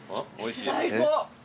最高。